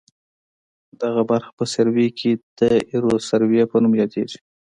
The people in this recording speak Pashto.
دغه برخه په سروې کې د ایروسروې په نوم یادیږي